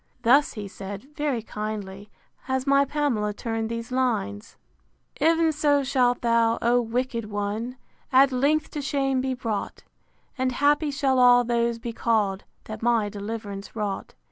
Thus he said, very kindly, has my Pamela turned these lines: IX. Ev'n so shalt thou, O wicked one! At length to shame be brought; And happy shall all those be call'd, That my deliv'rance wrought.